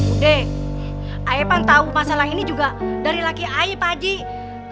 udah deh saya kan tahu masalah ini juga dari laki laki saya pakcik